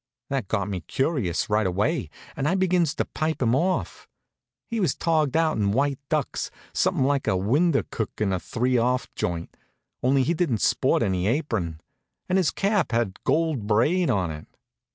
That got me curious right away, and I begins to pipe him off. He was togged out in white ducks, somethin' like a window cook in a three off joint, only he didn't sport any apron, and his cap had gold braid on it.